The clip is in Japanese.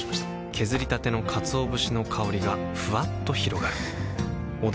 削りたてのかつお節の香りがふわっと広がるはぁ。